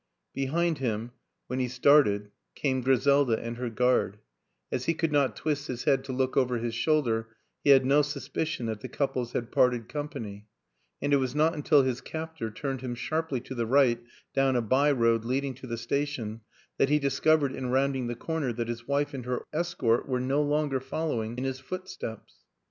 Behind him when he started 117 ii8 WILLIAM AN ENGLISHMAN came Griselda and her guard; as he could not twist his head to look over his shoulder he had no suspicion that the couples had parted com pany, and it was not until his captor turned him sharply to the right down a by road leading to the station that he discovered, in rounding the corner, that his wife and her escort were no longer following in his footsteps.